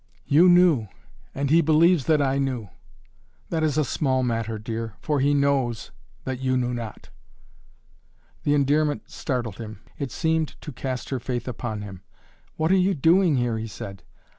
"You knew! And he believes that I knew!" "That is a small matter, dear. For he knows, that you knew not." The endearment startled him. It seemed to cast her faith upon him. "What are you doing here?" he said.